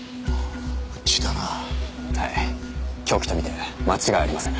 凶器とみて間違いありません。